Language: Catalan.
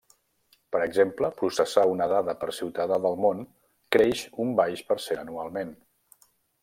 Per exemple, processar una dada per ciutadà del món creix un baix per cent anualment.